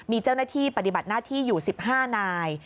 มีเจ้าหน้าที่ปฏิบัติหน้าที่อยู่๑๕นาย